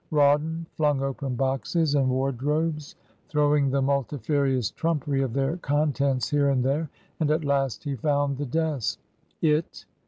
Rawdon flung open boxes and wardrobes, throwing the multifarious trumpery of their contents here and there, and at last he found the desk. It